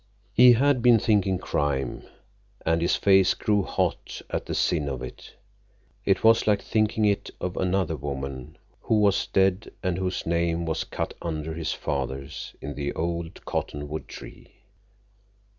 He had been thinking crime, and his face grew hot at the sin of it. It was like thinking it of another woman, who was dead, and whose name was cut under his father's in the old cottonwood tree.